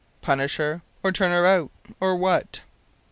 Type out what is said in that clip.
Punish her, or turn her out, or what?